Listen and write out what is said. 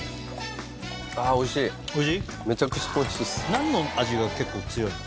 何の味が結構強いの？